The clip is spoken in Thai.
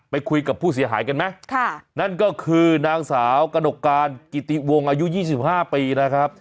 ไปคุยกับผู้เสียหายกันไหมค่ะนั่นก็คือนางสาวกระหนกการกิติวงอายุ๒๕ปีนะครับ